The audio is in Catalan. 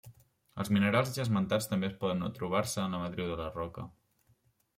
Els minerals ja esmentats també poden o trobar-se en la matriu de la roca.